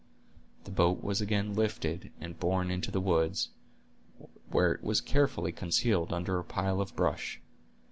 The boat was again lifted and borne into the woods, where it was carefully concealed under a pile of brush.